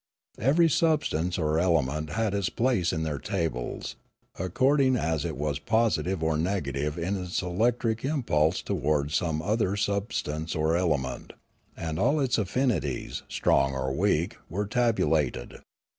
Every substance or element had its place in their tables according as it was positive or negative in its electric impulse towards some other sub stance or element; and all its affinities, strong or weak, were tabulated.